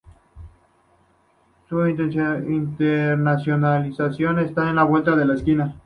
Su internacionalización está a la vuelta de la esquina.